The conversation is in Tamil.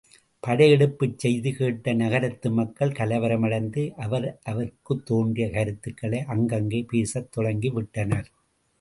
படையெடுப்புச் செய்தி கேட்ட நகரத்து மக்கள் கலவரமடைந்து அவரவர்க்குத் தோன்றிய கருத்துக்களை அங்கங்கே பேசத் தொடங்கி விட்டனர்.